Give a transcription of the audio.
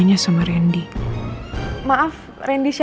satu hari setelah per vergleich the